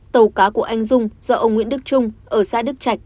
tàu cá của anh dung do ông nguyễn đức trung ở xã đức trạch